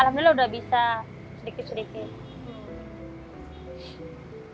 alhamdulillah udah bisa sedikit sedikit